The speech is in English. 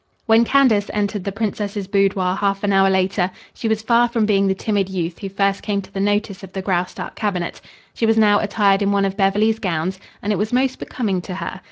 When Candace entered the princess's boudoir half an hour later, she was far from being the timid youth who first came to the notice of the Graustark cabinet. She was now attired in one of Beverly's gowns, and it was most becoming to her.